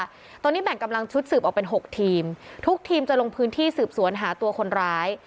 ตอนนี้แบ่งกำลังชุดสืบออกเป็น๖ทีมทุกทีมจะลงพื้นที่สืบสวนหาตัวคนร้าย